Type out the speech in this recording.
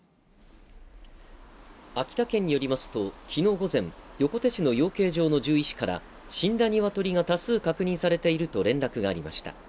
秋田県によりますときのう午前横手市の養鶏場の獣医師から死んだニワトリが多数確認されていると連絡がありました